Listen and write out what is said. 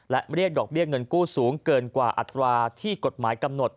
และเรียกดอกเบี้ยเงินกู้สูงเกินกว่าอัตราที่กฎหมายกำหนด